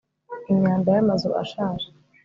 Imyanda yamazu ashaje